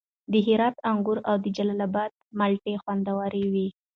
د هرات انګور او د جلال اباد مالټې خوندورې دي.